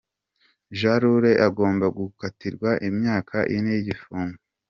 Ja Rule agomba gukatirwa imyaka ine y'igifungo.